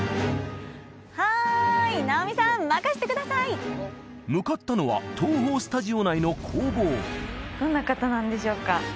はい直美さん任してください向かったのは東宝スタジオ内の工房どんな方なんでしょうか？